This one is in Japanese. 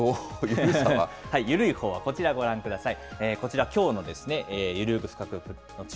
ゆるいほうはこちらご覧ください。